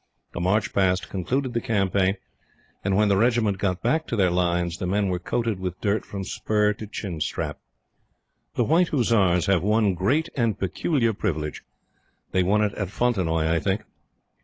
A march past concluded the campaign, and when the Regiment got back to their Lines, the men were coated with dirt from spur to chin strap. The White Hussars have one great and peculiar privilege. They won it at Fontenoy, I think.